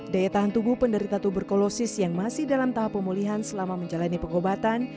daya tahan tubuh penderita tuberkulosis yang masih dalam tahap pemulihan selama menjalani pengobatan